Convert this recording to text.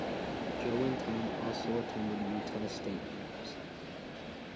Joe and Tom also attended Utah State University.